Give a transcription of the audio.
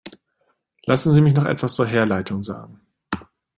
Lassen Sie mich noch etwas zur Herleitung sagen.